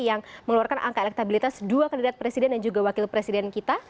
yang mengeluarkan angka elektabilitas dua kandidat presiden dan juga wakil presiden kita